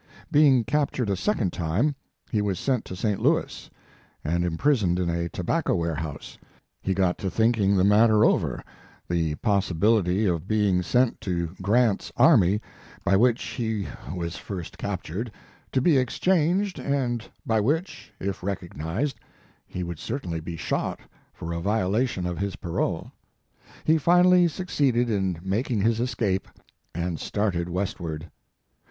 Being captured a second time, he was sent to St. I,ouis, and imprisoned in a tobacco warehouse. He got to thinking the matter over the possibility of being sent to Grant s army, by which he was 4O Mark Twain first captured, to be exchanged, and by which, if recognized, he would certainly be shot for a violation of his parole. He finally succeeded in making his escape and started westward.